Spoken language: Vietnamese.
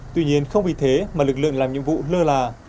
tuy nhiên không vì thế mà lực lượng làm nhiệm vụ lơ là